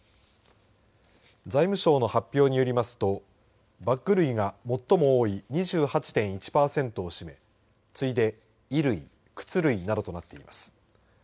財務省の発表によりますとバッグ類が最も多い２８．１パーセントを占め次いで衣類、靴類などとなっています。